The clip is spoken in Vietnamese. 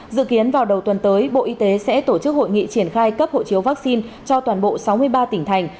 dự kiến vào đầu tuần tới bộ y tế sẽ tổ chức hội nghị triển khai cấp hộ chiếu vaccine cho toàn bộ sáu mươi ba tỉnh thành